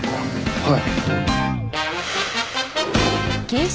はい。